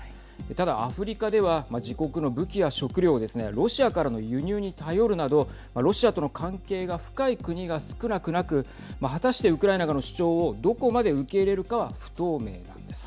ただ、アフリカでは自国の武器や食料をですねロシアからの輸入に頼るなどロシアとの関係が深い国が少なくなく果たして、ウクライナ側の主張をどこまで受け入れるかは不透明なんです。